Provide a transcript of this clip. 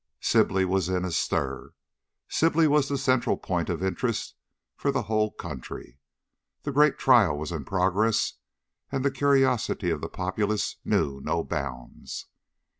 SIBLEY was in a stir. Sibley was the central point of interest for the whole country. The great trial was in progress and the curiosity of the populace knew no bounds.